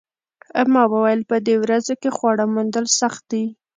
ما وویل په دې ورځو کې خواړه موندل سخت دي